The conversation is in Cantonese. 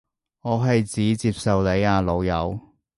我係指接受你啊老友